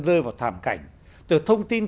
rơi vào thảm cảnh từ thông tin